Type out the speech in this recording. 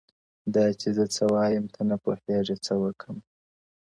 دا چي زه څه وايم- ته نه پوهېږې- څه وکمه-